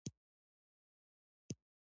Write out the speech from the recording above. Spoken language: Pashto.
د بدخشان په تیشکان کې د څه شي نښې دي؟